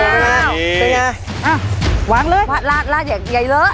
เยี่ยมมากนี่เป็นยังไงอ่าวางเลยวางลาลาอย่าเยอะหละ